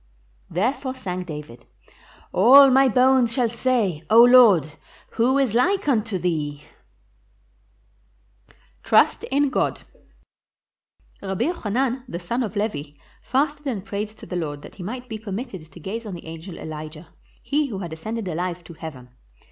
Therefore sang David, "All my bones shall say, '0 Lord, who is Uke unto Thee.' " 574 STORIES FROM THE TALMUD TRUST IN GOD Rabbi Jochanan, the son of Levi, fasted and prayed to the Lord that he might be permitted to gaze on the angel Elijah, he who had ascended alive to heaven.